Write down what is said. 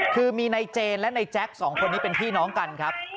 คือมีนายเจนและในแจ๊คสองคนนี้เป็นพี่น้องกันครับ